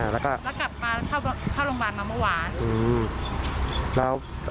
แล้วก็กลับมาเข้าโรงพยาบาลมาเมื่อวาน